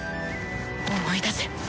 思い出せ！